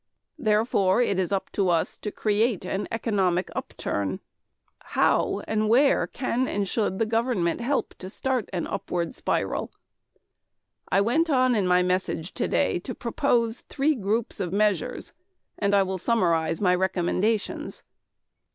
Therefore it is up to us to create an economic upturn. "How and where can and should the government help to start an upward spiral?" I went on in my message today to propose three groups of measures and I will summarize my recommendations.